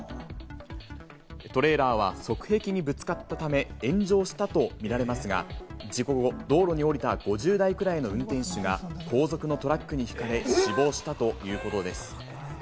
トレーラーは側壁にぶつかったため、炎上したと見られますが、事故後、道路に降りた５０代くらいの運転手が後続のトラックにひかれ、死亡したということです。